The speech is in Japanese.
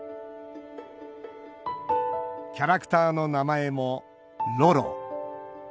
キャラクターの名前も「ロロ」。